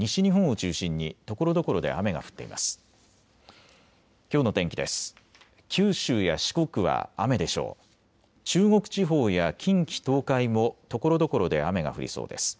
中国地方や近畿、東海もところどころで雨が降りそうです。